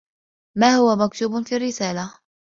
ما هو مكتوب في الرّسالة؟